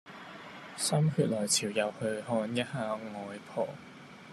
心血來潮又去看一下外婆